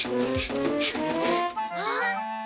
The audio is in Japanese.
あっ！